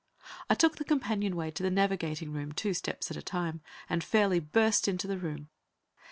I took the companionway to the navigating room two steps at a time and fairly burst into the room.